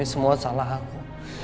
ini semua salah aku